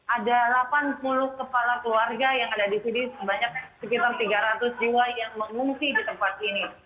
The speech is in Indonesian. ada delapan puluh kepala keluarga yang ada di sini sebanyak sekitar tiga ratus jiwa yang mengungsi di tempat ini